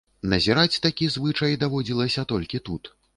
Назіраць такі звычай даводзілася толькі тут.